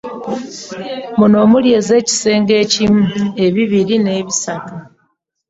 Muno omuli ez'ekisenge ekimu, ebibiri n'ebisatu